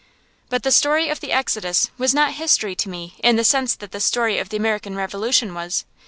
But the story of the Exodus was not history to me in the sense that the story of the American Revolution was.